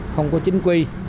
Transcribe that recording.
không có chính quy